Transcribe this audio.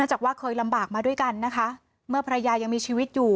จากว่าเคยลำบากมาด้วยกันนะคะเมื่อภรรยายังมีชีวิตอยู่